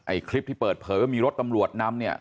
คลิปที่เปิดเผยว่ามีรถตำรวจนำเนี่ย